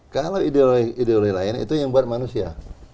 kalau ideologi lain itu yang buat manusia